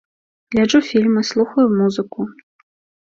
Гляджу фільмы, слухаю музыку.